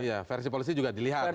iya versi polisi juga dilihat